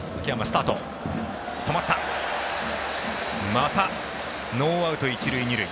またノーアウト、一塁二塁。